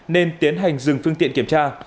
nên tiến hành dừng phương tiện kiểm tra